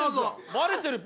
バレてるぞ。